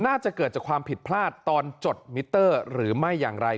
น่าจะเกิดจากความผิดพลาดตอนจดมิเตอร์หรือไม่อย่างไร